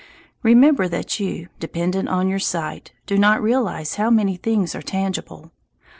Remember that you, dependent on your sight, do not realize how many things are tangible.